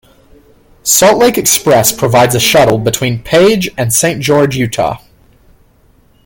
Salt Lake Express provides a shuttle between Page and Saint George, Utah.